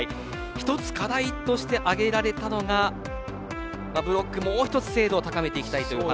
１つ課題として挙げられたのはブロック、もう１つ精度を高めていきたいというお話。